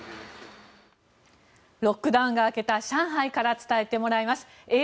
ロックダウンが明けた上海から伝えてもらいます。